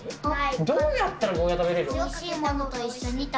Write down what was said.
どうやったらゴーヤ食べれる？